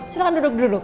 silahkan duduk dulu